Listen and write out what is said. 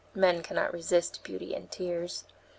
Men cannot resist beauty and tears.